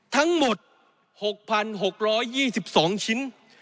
ทั้งหมด๖๖๒๒ชิ้น